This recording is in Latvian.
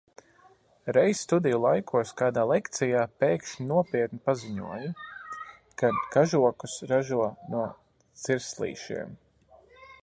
Reiz studiju laikos kādā lekcijā pēkšņi nopietni paziņoju, ka kažokus ražo no cirslīšiem.